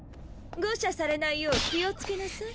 誤射されないよう気をつけなさい。